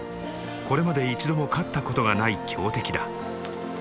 これまで一度も勝ったことがない強敵だ。